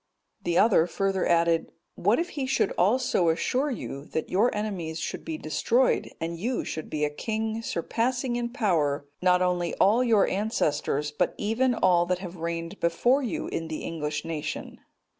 The other further added, "What if he should also assure you, that your enemies should be destroyed, and you should be a king surpassing in power, not only all your own ancestors, but even all that have reigned before you in the English nation?"